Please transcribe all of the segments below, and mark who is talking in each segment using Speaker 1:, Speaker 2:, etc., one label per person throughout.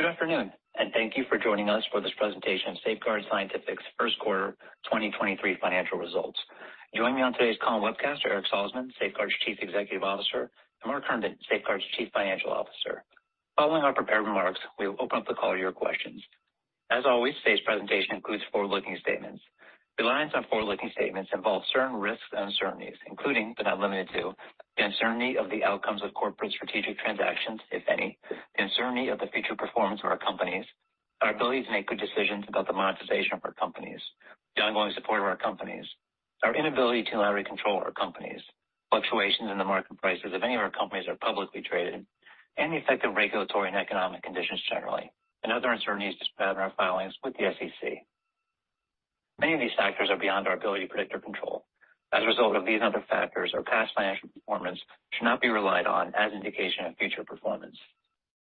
Speaker 1: Good afternoon, and thank you for joining us for this presentation of Safeguard Scientifics' first quarter 2023 financial results. Joining me on today's call and webcast are Eric Salzman, Safeguard's Chief Executive Officer, and Mark Herndon, Safeguard's Chief Financial Officer. Following our prepared remarks, we'll open up the call to your questions. As always, today's presentation includes forward-looking statements. Reliance on forward-looking statements involve certain risks and uncertainties, including but not limited to the uncertainty of the outcomes of corporate strategic transactions, if any, the uncertainty of the future performance of our companies, our ability to make good decisions about the monetization of our companies, the ongoing support of our companies, our inability to entirely control our companies, fluctuations in the market prices if any of our companies are publicly traded, and the effect of regulatory and economic conditions generally, and other uncertainties described in our filings with the SEC. Many of these factors are beyond our ability to predict or control. As a result of these and other factors, our past financial performance should not be relied on as an indication of future performance.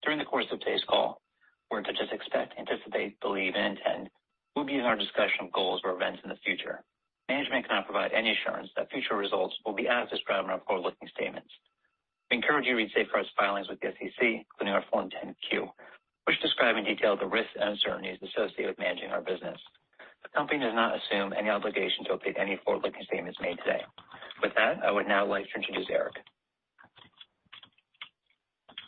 Speaker 1: During the course of today's call, words such as expect, anticipate, believe, and intend will be in our discussion of goals or events in the future. Management cannot provide any assurance that future results will be as described in our forward-looking statements. We encourage you to read Safeguard's filings with the SEC, including our Form 10-Q, which describe in detail the risks and uncertainties associated with managing our business. The company does not assume any obligation to update any forward-looking statements made today. With that, I would now like to introduce Eric.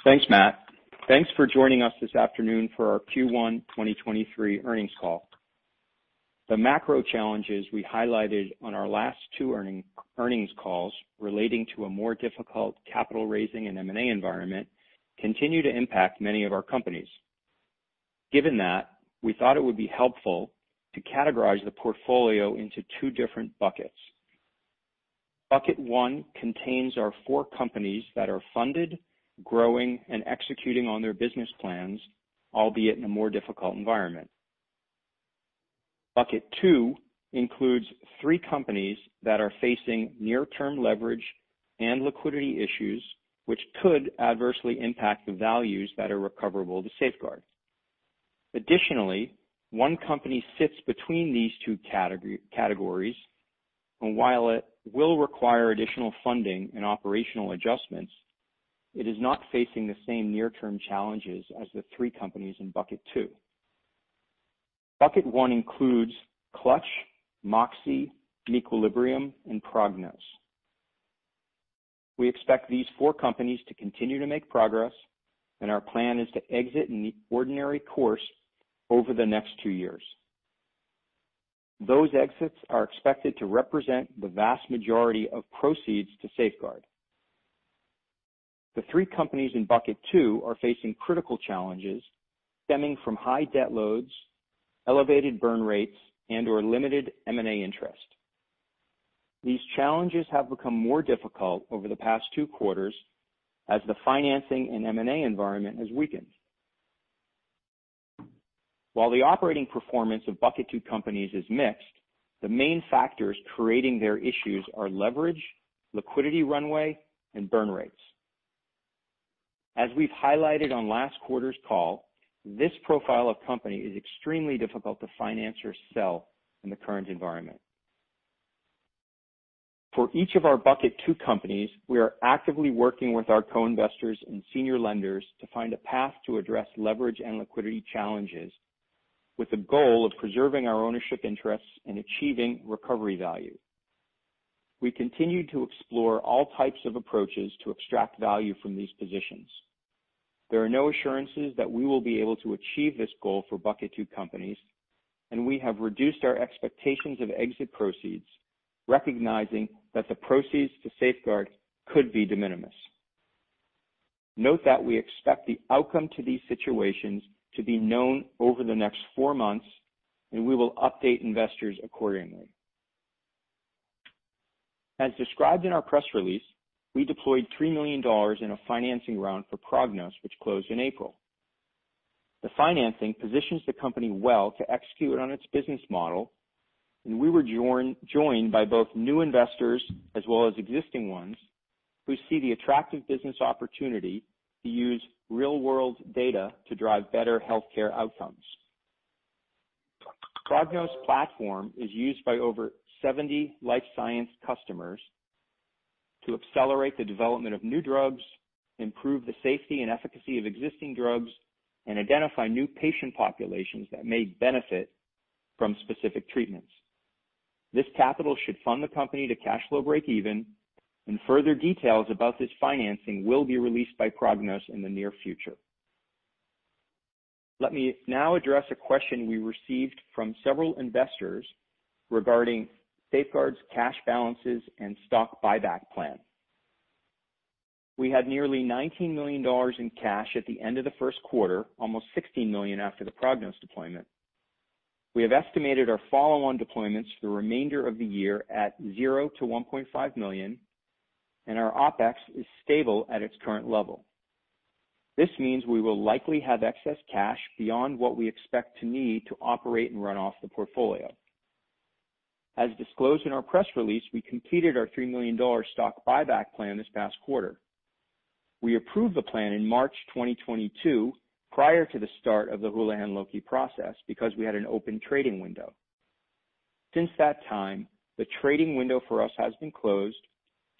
Speaker 2: Thanks, Matt. Thanks for joining us this afternoon for our Q1 2023 earnings call. The macro challenges we highlighted on our last two earnings calls relating to a more difficult capital raising and M&A environment continue to impact many of our companies. Given that, we thought it would be helpful to categorize the portfolio into two different buckets. Bucket one contains our four companies that are funded, growing, and executing on their business plans, albeit in a more difficult environment. Bucket two includes three companies that are facing near-term leverage and liquidity issues which could adversely impact the values that are recoverable to Safeguard. One company sits between these two categories, and while it will require additional funding and operational adjustments, it is not facing the same near-term challenges as the three companies in bucket two. Bucket one includes Clutch, Moxe, meQuilibrium, and Prognos. We expect these four companies to continue to make progress, and our plan is to exit in the ordinary course over the next two years. Those exits are expected to represent the vast majority of proceeds to Safeguard. The three companies in bucket two are facing critical challenges stemming from high debt loads, elevated burn rates, and/or limited M&A interest. These challenges have become more difficult over the past two quarters as the financing and M&A environment has weakened. While the operating performance of bucket two companies is mixed, the main factors creating their issues are leverage, liquidity runway, and burn rates. As we've highlighted on last quarter's call, this profile of company is extremely difficult to finance or sell in the current environment. For each of our bucket two companies, we are actively working with our co-investors and senior lenders to find a path to address leverage and liquidity challenges with the goal of preserving our ownership interests and achieving recovery value. We continue to explore all types of approaches to extract value from these positions. There are no assurances that we will be able to achieve this goal for bucket two companies, and we have reduced our expectations of exit proceeds, recognizing that the proceeds to Safeguard could be de minimis. Note that we expect the outcome to these situations to be known over the next four months, and we will update investors accordingly. As described in our press release, we deployed $3 million in a financing round for Prognos, which closed in April. The financing positions the company well to execute on its business model, we were joined by both new investors as well as existing ones who see the attractive business opportunity to use real-world data to drive better healthcare outcomes. Prognos platform is used by over 70 life science customers to accelerate the development of new drugs, improve the safety and efficacy of existing drugs, and identify new patient populations that may benefit from specific treatments. This capital should fund the company to cash flow breakeven, further details about this financing will be released by Prognos in the near future. Let me now address a question we received from several investors regarding Safeguard's cash balances and stock buyback plan. We had nearly $19 million in cash at the end of the first quarter, almost $16 million after the Prognos deployment. We have estimated our follow-on deployments for the remainder of the year at $0-$1.5 million, and our OpEx is stable at its current level. This means we will likely have excess cash beyond what we expect to need to operate and run off the portfolio. As disclosed in our press release, we completed our $3 million stock buyback plan this past quarter. We approved the plan in March 2022, prior to the start of the Houlihan Lokey process because we had an open trading window. Since that time, the trading window for us has been closed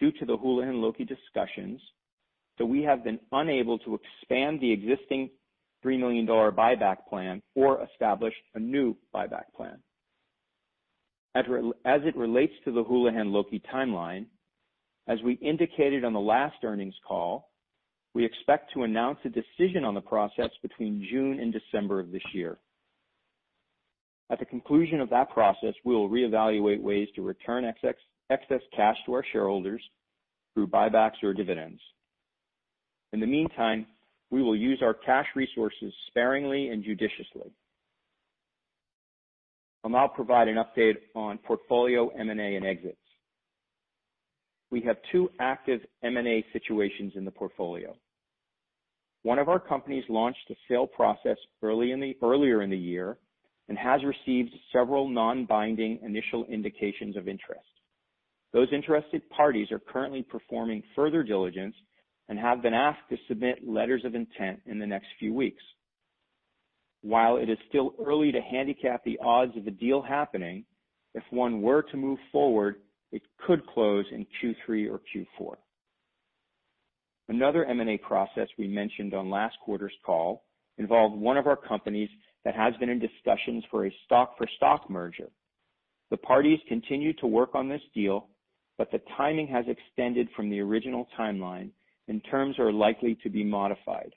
Speaker 2: due to the Houlihan Lokey discussions, so we have been unable to expand the existing $3 million buyback plan or establish a new buyback plan. As it relates to the Houlihan Lokey timeline, as we indicated on the last earnings call, we expect to announce a decision on the process between June and December of this year. At the conclusion of that process, we will reevaluate ways to return excess cash to our shareholders through buybacks or dividends. In the meantime, we will use our cash resources sparingly and judiciously. I'll now provide an update on portfolio M&A and exits. We have two active M&A situations in the portfolio. One of our companies launched a sale process earlier in the year and has received several non-binding initial indications of interest. Those interested parties are currently performing further diligence and have been asked to submit letters of intent in the next few weeks. While it is still early to handicap the odds of a deal happening, if one were to move forward, it could close in Q3 or Q4. Another M&A process we mentioned on last quarter's call involved one of our companies that has been in discussions for a stock-for-stock merger. The parties continue to work on this deal, but the timing has extended from the original timeline, and terms are likely to be modified.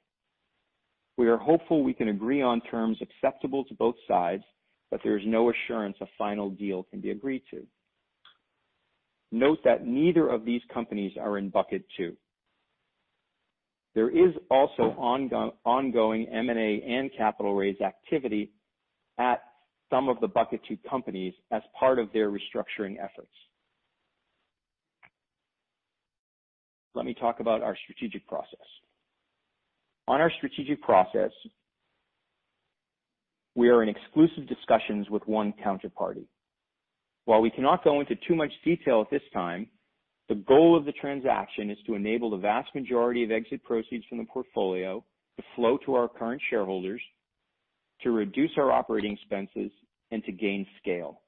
Speaker 2: We are hopeful we can agree on terms acceptable to both sides, but there is no assurance a final deal can be agreed to. Note that neither of these companies are in bucket two. There is also ongoing M&A and capital raise activity at some of the bucket two companies as part of their restructuring efforts. Let me talk about our strategic process. On our strategic process, we are in exclusive discussions with one counterparty. While we cannot go into too much detail at this time, the goal of the transaction is to enable the vast majority of exit proceeds from the portfolio to flow to our current shareholders to reduce our operating expenses and to gain scale.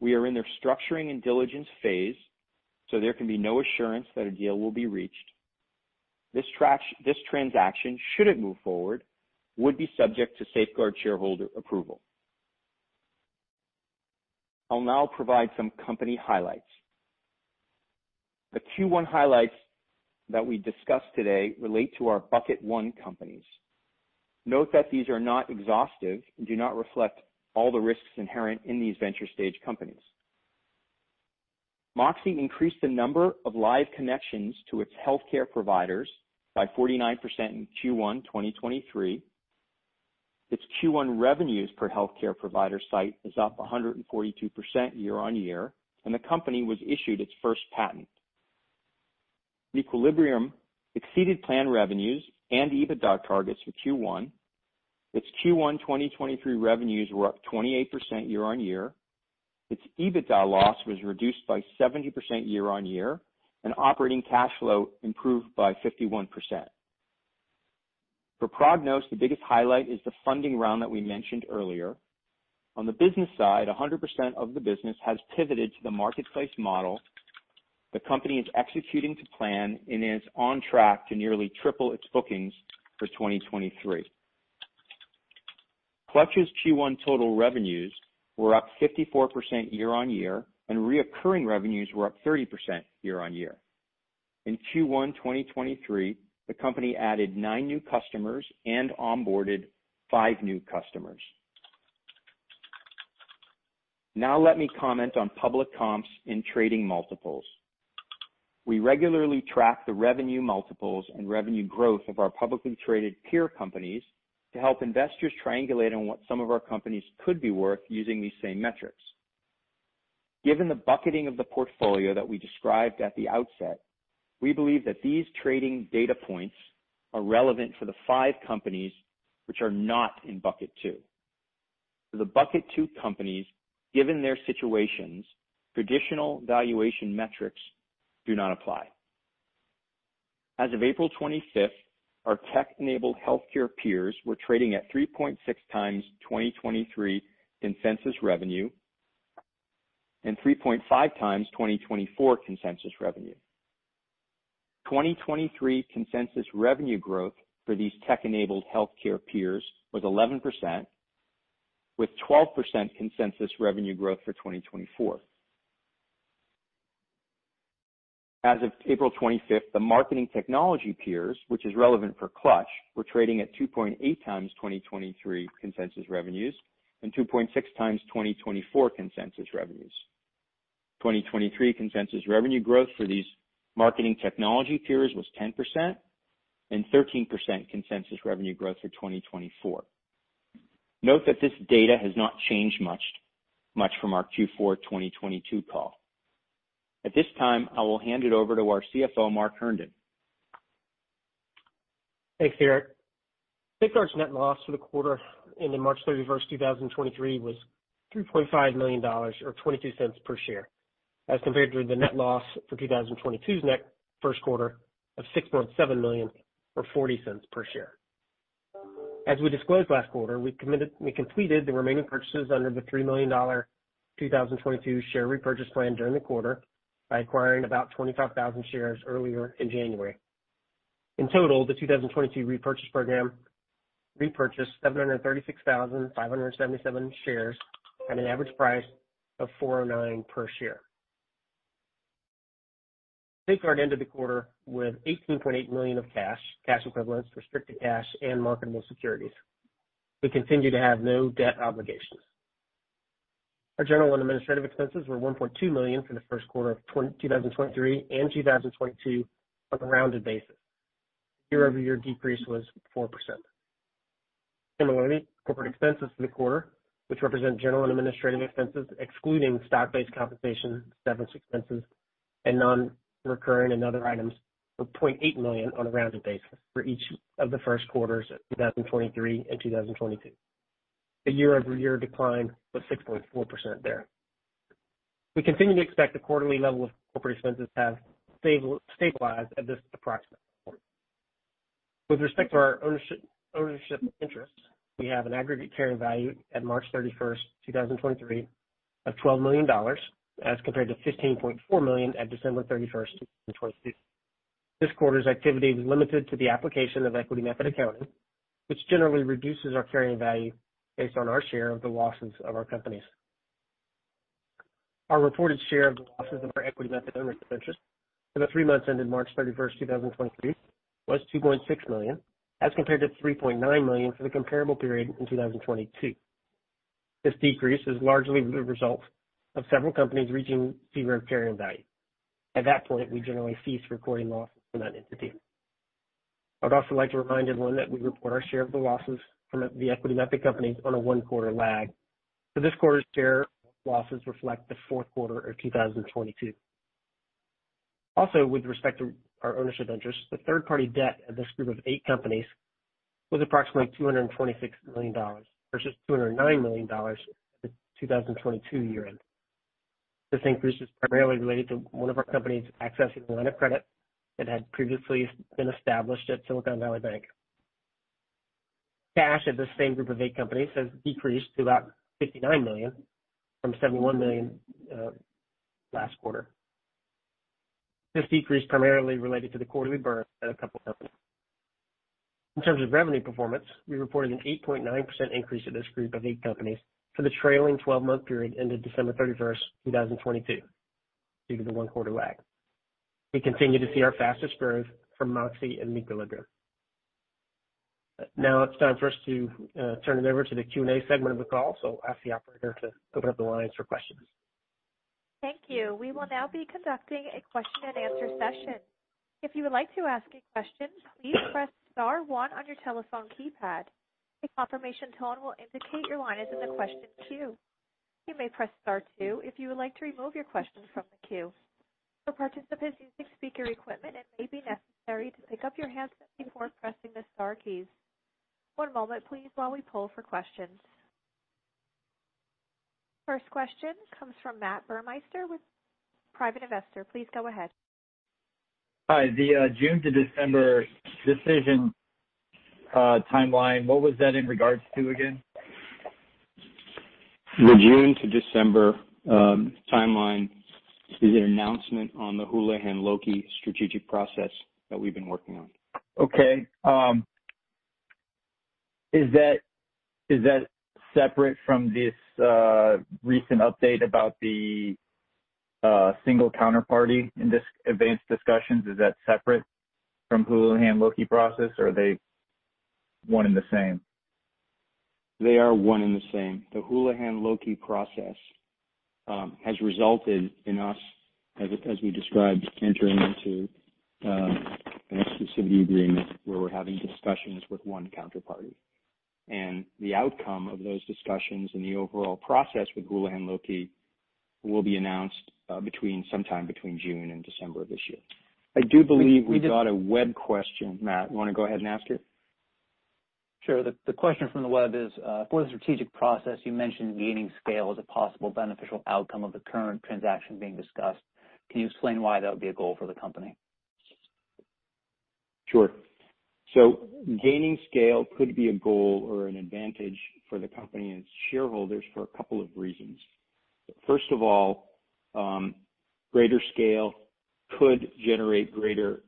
Speaker 2: We are in their structuring and diligence phase, so there can be no assurance that a deal will be reached. This transaction, should it move forward, would be subject to Safeguard shareholder approval. I'll now provide some company highlights. The Q1 highlights that we discussed today relate to our bucket one companies. Note that these are not exhaustive and do not reflect all the risks inherent in these venture stage companies. Moxe increased the number of live connections to its healthcare providers by 49% in Q1, 2023. Its Q1 revenues per healthcare provider site is up 142% year-on-year, and the company was issued its first patent. meQuilibrium exceeded planned revenues and EBITDA targets for Q1. Its Q1 2023 revenues were up 28% year-on-year. Its EBITDA loss was reduced by 70% year-on-year, and operating cash flow improved by 51%. For Prognos, the biggest highlight is the funding round that we mentioned earlier. On the business side, 100% of the business has pivoted to the marketplace model. The company is executing to plan and is on track to nearly triple its bookings for 2023. Clutch's Q1 total revenues were up 54% year-on-year, and reoccurring revenues were up 30% year-on-year. In Q1 2023, the company added 9 new customers and onboarded 5 new customers. Let me comment on public comps in trading multiples. We regularly track the revenue multiples and revenue growth of our publicly traded peer companies to help investors triangulate on what some of our companies could be worth using these same metrics. Given the bucketing of the portfolio that we described at the outset, we believe that these trading data points are relevant for the five companies which are not in bucket two. For the bucket two companies, given their situations, traditional valuation metrics do not apply. As of April 25th, our tech-enabled healthcare peers were trading at 3.6x 2023 consensus revenue and 3.5x 2024 consensus revenue. 2023 consensus revenue growth for these tech-enabled healthcare peers was 11%, with 12% consensus revenue growth for 2024. As of April 25th, the marketing technology peers, which is relevant for Clutch, were trading at 2.8x 2023 consensus revenues and 2.6x 2024 consensus revenues. 2023 consensus revenue growth for these marketing technology peers was 10% and 13% consensus revenue growth for 2024. Note that this data has not changed much from our Q4 2022 call. At this time, I will hand it over to our CFO, Mark Herndon.
Speaker 3: Thanks, Eric. Safeguard's net loss for the quarter ending March thirty-first, 2023 was $3.5 million or $0.22 per share, as compared to the net loss for 2022's net first quarter of $6.7 million or $0.40 per share. As we disclosed last quarter, we completed the remaining purchases under the $3 million 2022 share repurchase plan during the quarter by acquiring about 25,000 shares earlier in January. In total, the 2022 repurchase program repurchased 736,577 shares at an average price of $4.09 per share. We ended the quarter with $18.8 million of cash equivalents, restricted cash, and marketable securities. We continue to have no debt obligations. Our general and administrative expenses were $1.2 million for the first quarter of 2023 and 2022 on a rounded basis. Year-over-year decrease was 4%. Similarly, corporate expenses for the quarter, which represent general and administrative expenses excluding stock-based compensation, severance expenses, and non-recurring and other items were $0.8 million on a rounded basis for each of the first quarters of 2023 and 2022. The year-over-year decline was 6.4% there. We continue to expect the quarterly level of corporate expenses have stabilized at this approximate point. With respect to our ownership interests, we have an aggregate carrying value at March 31st, 2023 of $12 million as compared to $15.4 million at December 31st, 2022. This quarter's activity was limited to the application of equity method accounting, which generally reduces our carrying value based on our share of the losses of our companies. Our reported share of the losses of our equity method ownership interest for the three months ended March 31st, 2023 was $2.6 million as compared to $3.9 million for the comparable period in 2022. This decrease is largely the result of several companies reaching zero carrying value. At that point, we generally cease recording losses from that entity. I would also like to remind everyone that we report our share of the losses from the equity method companies on a one-quarter lag. This quarter's share losses reflect the fourth quarter of 2022. With respect to our ownership interest, the third party debt of this group of eight companies was approximately $226 million versus $209 million at the 2022 year-end. This increase is primarily related to one of our companies accessing a line of credit that had previously been established at Silicon Valley Bank. Cash at the same group of eight companies has decreased to about $59 million from $71 million last quarter. This decrease primarily related to the quarterly burn at a couple companies. In terms of revenue performance, we reported an 8.9% increase of this group of eight companies for the trailing 12 month period ended December 31st, 2022 due to the one quarter lag. We continue to see our fastest growth from Moxe and meQuilibrium. Now it's time for us to turn it over to the Q&A segment of the call. I'll ask the operator to open up the lines for questions.
Speaker 4: Thank you. We will now be conducting a question and answer session. If you would like to ask a question, please press star one on your telephone keypad. A confirmation tone will indicate your line is in the question queue. You may press star two if you would like to remove your question from the queue. For participants using speaker equipment, it may be necessary to pick up your handset before pressing the star keys. One moment please while we poll for questions. First question comes from Matt Burmeister with Private Investor. Please go ahead.
Speaker 5: Hi. The June to December decision timeline, what was that in regards to again?
Speaker 2: The June to December timeline is an announcement on the Houlihan Lokey strategic process that we've been working on.
Speaker 5: Okay. Is that separate from this recent update about the single counterparty in this advanced discussions? Is that separate from Houlihan Lokey process, or are they one and the same?
Speaker 2: They are one and the same. The Houlihan Lokey process has resulted in us, as we described, entering into an exclusivity agreement where we're having discussions with one counterparty. The outcome of those discussions and the overall process with Houlihan Lokey will be announced sometime between June and December of this year. I do believe we've got a web question, Matt. You wanna go ahead and ask it?
Speaker 1: Sure. The question from the web is, for the strategic process, you mentioned gaining scale as a possible beneficial outcome of the current transaction being discussed. Can you explain why that would be a goal for the company?
Speaker 2: Sure. Gaining scale could be a goal or an advantage for the company and its shareholders for a couple of reasons. First of all, greater scale could generate greater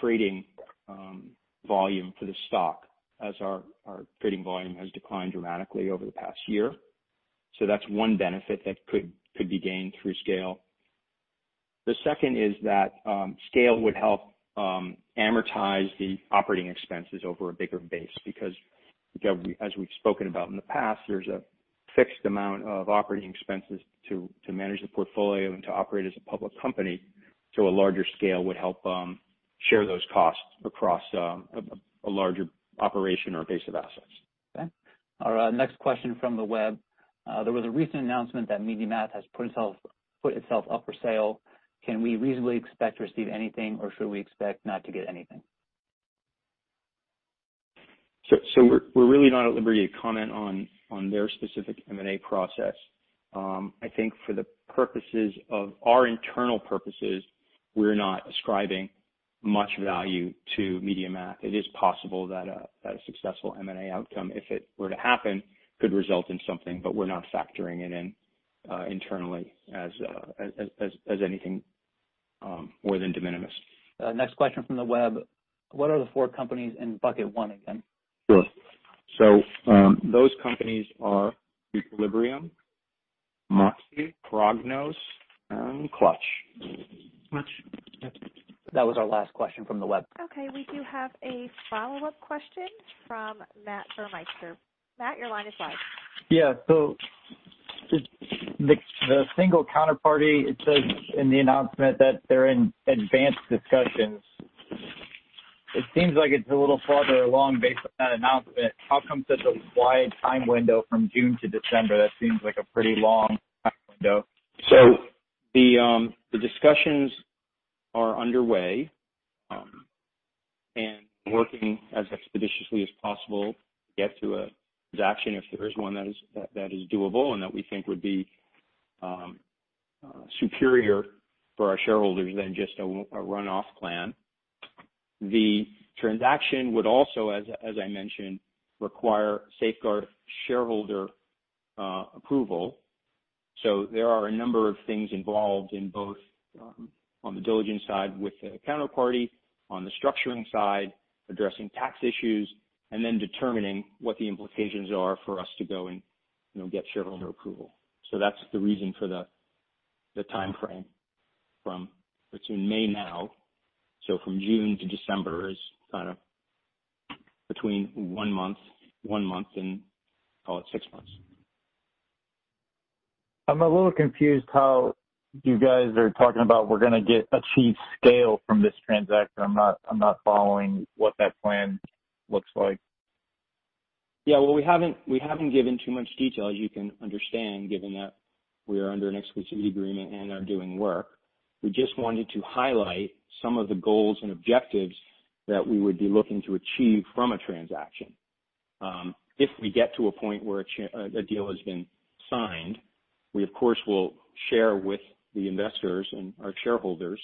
Speaker 2: trading volume for the stock as our trading volume has declined dramatically over the past year. That's one benefit that could be gained through scale. The second is that scale would help amortize the operating expenses over a bigger base because as we've spoken about in the past, there's a fixed amount of operating expenses to manage the portfolio and to operate as a public company to a larger scale would help share those costs across a larger operation or base of assets.
Speaker 1: Okay. Our next question from the web. There was a recent announcement that MediaMath has put itself up for sale. Can we reasonably expect to receive anything, or should we expect not to get anything?
Speaker 2: We're really not at liberty to comment on their specific M&A process. I think for the purposes of our internal purposes, we're not ascribing much value to MediaMath. It is possible that a successful M&A outcome, if it were to happen, could result in something, but we're not factoring it in internally as anything more than de minimis.
Speaker 1: Next question from the web: What are the four companies in bucket one again?
Speaker 2: Sure. Those companies are meQuilibrium, Moxe, Prognos and Clutch.
Speaker 1: Clutch. Yep. That was our last question from the web.
Speaker 4: Okay, we do have a follow-up question from Matt Burmeister. Matt, your line is live.
Speaker 5: Yeah. The single counterparty, it says in the announcement that they're in advanced discussions. It seems like it's a little farther along based on that announcement. How come such a wide time window from June to December? That seems like a pretty long time window.
Speaker 2: The discussions are underway, and working as expeditiously as possible to get to a transaction, if there is one that is, that is doable, and that we think would be superior for our shareholders than just a runoff plan. The transaction would also, as I mentioned, require Safeguard shareholder approval. There are a number of things involved in both, on the diligence side with the counterparty, on the structuring side, addressing tax issues, and then determining what the implications are for us to go and, you know, get shareholder approval. That's the reason for the timeframe from between May now. From June to December is kind of between one month, one month and, call it, six months.
Speaker 5: I'm a little confused how you guys are talking about we're gonna get achieved scale from this transaction. I'm not, I'm not following what that plan looks like.
Speaker 2: Yeah. Well, we haven't given too much detail, as you can understand, given that we are under an exclusivity agreement and are doing work. We just wanted to highlight some of the goals and objectives that we would be looking to achieve from a transaction. If we get to a point where a deal has been signed, we of course will share with the investors and our shareholders,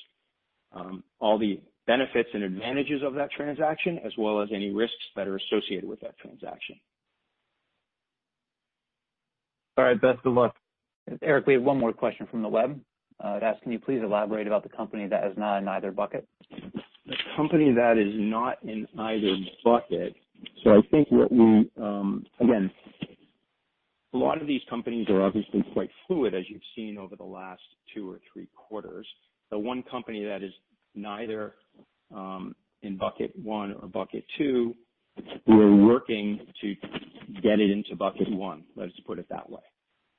Speaker 2: all the benefits and advantages of that transaction, as well as any risks that are associated with that transaction.
Speaker 5: All right. Best of luck.
Speaker 1: Eric, we have one more question from the web. It asks: Can you please elaborate about the company that is not in either bucket?
Speaker 2: The company that is not in either bucket. I think what we. Again, a lot of these companies are obviously quite fluid, as you've seen over the last two or three quarters. The one company that is neither in bucket one or bucket two, we're working to get it into bucket one, let's put it that way.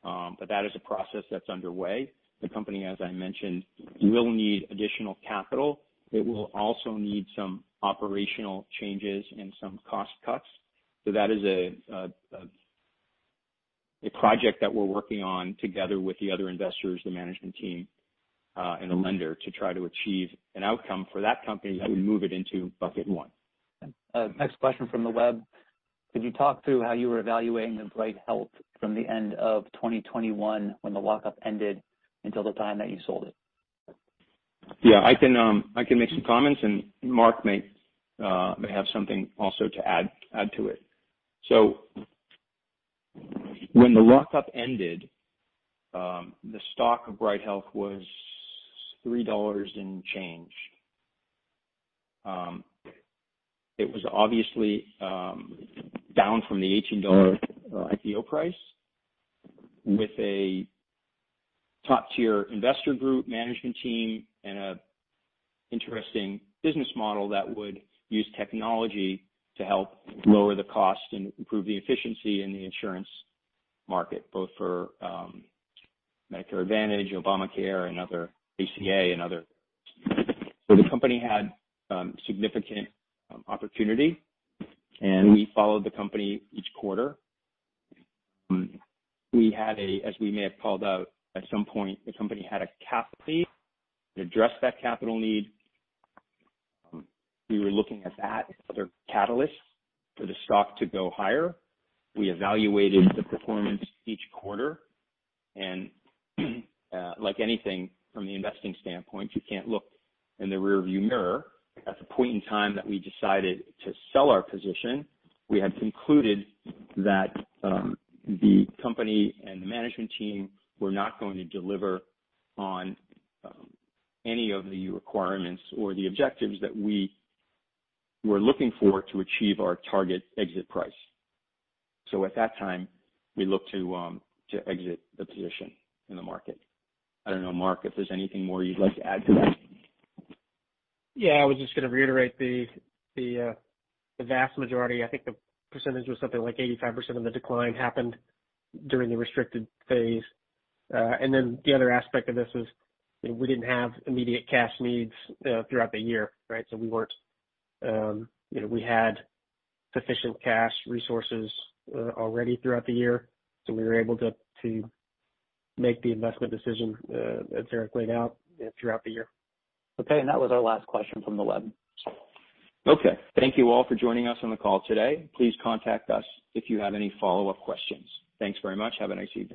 Speaker 2: But that is a process that's underway. The company, as I mentioned, will need additional capital. It will also need some operational changes and some cost cuts. That is a project that we're working on together with the other investors, the management team, and the lender to try to achieve an outcome for that company that would move it into bucket one.
Speaker 1: Next question from the web. Could you talk through how you were evaluating the Bright Health from the end of 2021 when the lockup ended until the time that you sold it?
Speaker 2: Yeah. I can, I can make some comments, and Mark may have something also to add to it. When the lockup ended, the stock of Bright Health was $3 and change. It was obviously down from the $18 IPO price with a top-tier investor group, management team, and a interesting business model that would use technology to help lower the cost and improve the efficiency in the insurance market, both for Medicare Advantage, Obamacare and other ACA and other. The company had significant opportunity, and we followed the company each quarter. As we may have called out at some point, the company had a cap plea to address that capital need. We were looking at that as other catalysts for the stock to go higher. We evaluated the performance each quarter and, like anything from the investing standpoint, you can't look in the rearview mirror. At the point in time that we decided to sell our position, we had concluded that the company and the management team were not going to deliver on any of the requirements or the objectives that we were looking for to achieve our target exit price. At that time, we looked to to exit the position in the market. I don't know, Mark, if there's anything more you'd like to add to that.
Speaker 3: Yeah. I was just gonna reiterate the vast majority. I think the percentage was something like 85% of the decline happened during the restricted phase. The other aspect of this is, you know, we didn't have immediate cash needs throughout the year, right? We weren't. You know, we had sufficient cash resources already throughout the year, we were able to make the investment decision as Eric laid out throughout the year.
Speaker 1: Okay. That was our last question from the web.
Speaker 2: Okay. Thank you all for joining us on the call today. Please contact us if you have any follow-up questions. Thanks very much. Have a nice evening.